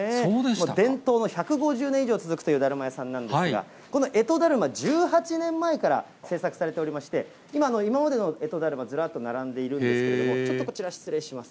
伝統の１５０年以上続くというだるま屋さんなんですが、このえとだるま、１８年前から制作されておりまして、今までのえとだるま、ずらっと並んでいるけれども、ちょっとこちら、失礼します。